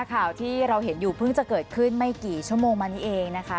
ข่าวที่เราเห็นอยู่เพิ่งจะเกิดขึ้นไม่กี่ชั่วโมงมานี้เองนะคะ